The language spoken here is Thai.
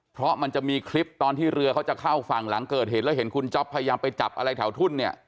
เพราะมันจะมีคลิปตอนที่เรือเขาจะเข้าฝั่งหลังเกิดเหตุแล้วเห็นคุณจ๊อปพยายามไปจับอะไรแถวทุ่นเนี่ย